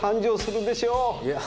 いや。